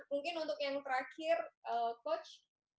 mungkin untuk yang terakhir coach